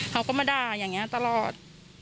เขาก็มาด่าอย่างนี้ตลอด